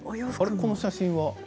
この写真は？